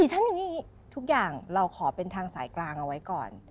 ทุกอย่างเราขอเป็นทางสายกลางเอาไว้ก่อน